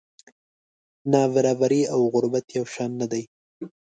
نابرابري او غربت یو شان نه دي.